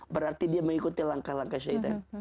berarti dia mengikuti langkah langkah syahidrat